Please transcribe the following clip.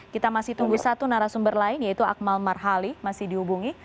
kita masih tunggu satu narasumber lain yaitu akmal marhali masih dihubungi